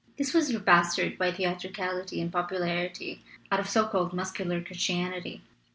This was your bastard by theatricality and popularity out of so called mus cular Christianity.